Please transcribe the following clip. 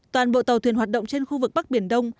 toàn bộ tàu thuyền hoạt động trên khu vực bắc biển đông